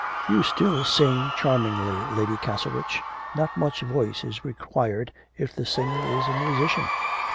'You still sing charmingly, Lady Castlerich, not much voice is required if the singer is a musician.'